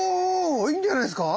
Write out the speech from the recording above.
いいんじゃないですか！